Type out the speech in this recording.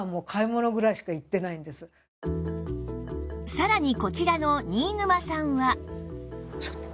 さらにこちらの新沼さんは